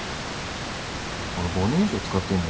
もうこれ５年以上使ってんじゃない？